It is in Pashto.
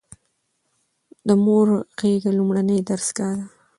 د مور غيږ لومړنۍ مدرسه ده